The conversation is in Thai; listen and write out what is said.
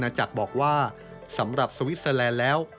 จักรบอกว่าสำหรับสวิสเตอร์แลนด์แล้ว